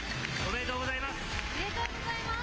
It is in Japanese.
おめでとうございます。